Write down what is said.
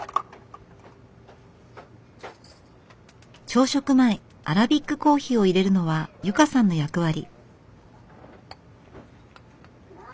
朝食前アラビックコーヒーをいれるのは由佳さんの役割。